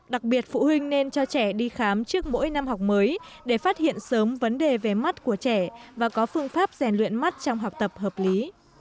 đặc biệt phụ huynh nên cho trẻ đi khám trước mỗi năm học mới để phát hiện sớm vấn đề về mắt của trẻ và có phương pháp rèn luyện mắt trong học tập hợp lý